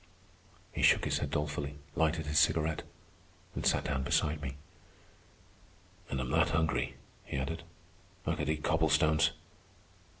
He shook his head dolefully, lighted his cigarette, and sat down beside me. "And I'm that hungry," he added, "I could eat cobblestones."